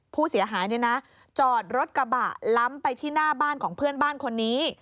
ผู้เสียหายเนี่ยนะจอดรถกระบะล้ำไปที่หน้าบ้านของเพื่อนบ้านคนนี้